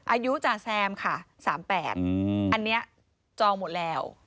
อายุจ๋าแซมค่ะ๓๘อันนี้จองหมดแล้ว